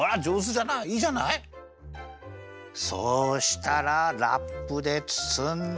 そうしたらラップでつつんで。